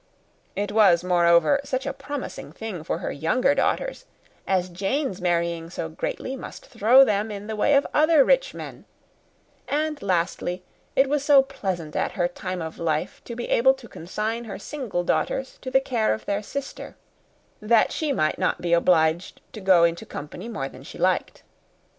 It was, moreover, such a promising thing for her younger daughters, as Jane's marrying so greatly must throw them in the way of other rich men; and, lastly, it was so pleasant at her time of life to be able to consign her single daughters to the care of their sister, that she might not be obliged to go into company more than she liked.